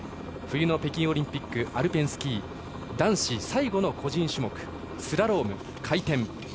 冬の北京オリンピックアルペンスキー男子最後の個人種目スラローム回転。